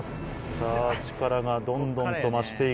さぁ力がどんどんと増して行く。